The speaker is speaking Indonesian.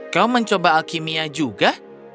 kau mencoba alkimia juga